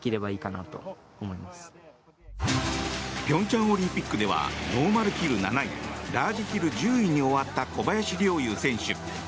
平昌オリンピックではノーマルヒル７位ラージヒル１０位に終わった小林陵侑選手。